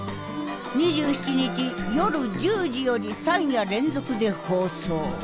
２７日夜１０時より３夜連続で放送。